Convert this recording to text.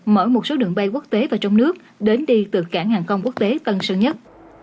mở một số đường bay quốc tế và trong nước đến đi từ cảng hàng không quốc tế tân sơn nhất